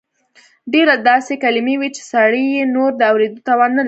ډېر داسې کلیمې وې چې سړی یې نور د اورېدو توان نه لري.